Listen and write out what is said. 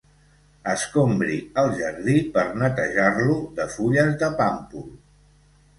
Escombri el jardí per netejar-lo de fulles de pàmpol.